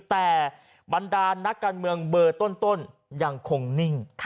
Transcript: แต่บรรดานักการเมืองเบอร์ต้นยังคงนิ่ง